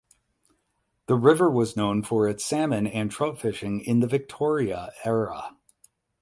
The river was known for its salmon and trout fishing in the Victoria era.